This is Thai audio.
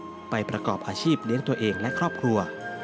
ไปประกอบอาชีพเลี้ยงตัวเองและครอบครัว